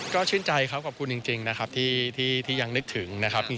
ก็ชื่นใจครับขอบคุณจริงนะครับที่ยังนึกถึงนะครับ